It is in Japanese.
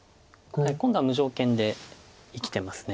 今度は無条件で生きてます。